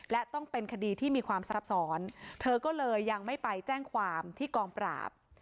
และต้องเป็นคดีที่มีความซับซ้อนเธอก็เลยยังไม่ไปแจ้งความที่กองปราบ